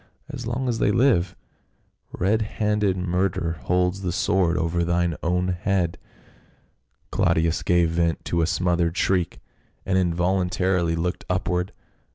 as long as they live, red handed murder holds the sword over thine own head." Claudius gave vent to a smothered shriek and in voluntarily looked upward.